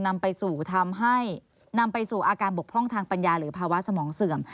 นำไปสู่อาการบกพร่องทางปัญญาหรือภาวะสมองเสื่อม